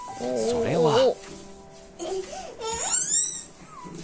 それは。